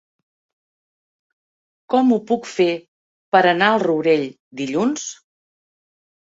Com ho puc fer per anar al Rourell dilluns?